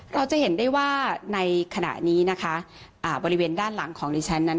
เราจะเห็นได้ว่าในขณะนี้นะคะบริเวณด้านหลังของดิฉันนั้น